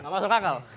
gak masuk akal